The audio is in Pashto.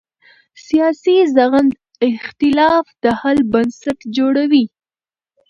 سیاسي زغم د اختلاف د حل بنسټ جوړوي